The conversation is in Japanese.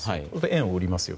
円を売ります。